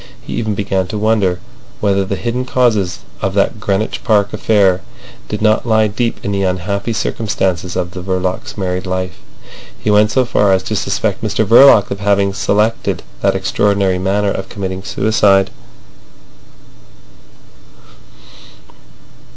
He even began to wonder whether the hidden causes of that Greenwich Park affair did not lie deep in the unhappy circumstances of the Verlocs' married life. He went so far as to suspect Mr Verloc of having selected that extraordinary manner of committing suicide.